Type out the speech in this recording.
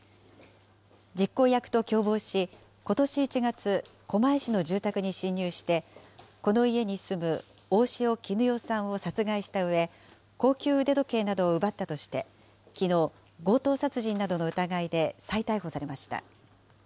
実行役と共謀し、ことし１月、狛江市の住宅に侵入して、この家に住む大塩衣與さんを殺害したうえ、高級腕時計などを奪ったとして、きのう、強盗殺人などの疑いで再逮捕されました。